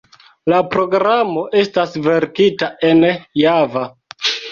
La programo estas verkita en Java.